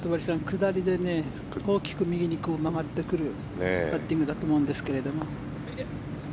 下りで大きく右に曲がってくるパッティングだと思うんですが。